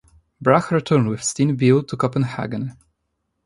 Brahe returned with Steen Bille to Copenhagen.